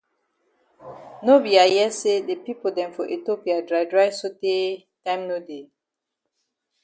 No be I hear say the pipo dem for Ethiopia dry dry so tey time no dey.